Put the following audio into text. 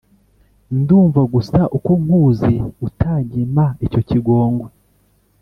Ndumva gusa uko nkuzi Utanyima icyo kigongwe